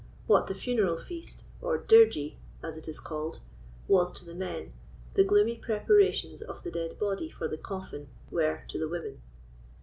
What the funeral feast, or dirgie, as it is called, was to the men, the gloomy preparations of the dead body for the coffin were to the women.